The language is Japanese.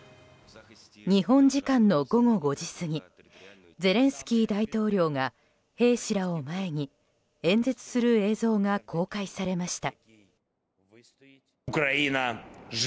日本時間の午後５時過ぎゼレンスキー大統領が兵士らを前に演説する映像が公開されました。